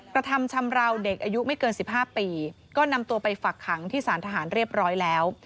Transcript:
กระทำชำราวเด็กอายุไม่เกิน๑๕ปีก็นำตัวไปฝักขังที่สารทหารเรียบร้อยแล้ว